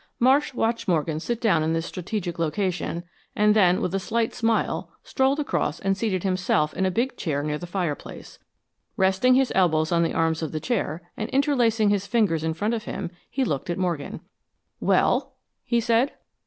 Marsh watched Morgan sit down in this strategical location, and then, with a slight smile, strolled across and seated himself in a big chair near the fireplace. Resting his elbows on the arms of the chair, and interlacing his fingers in front of him, he looked at Morgan. "Well?" he said.